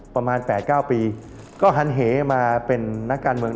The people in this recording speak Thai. ประมาณ๘๙ปีก็หันเหมาเป็นนักการเมือง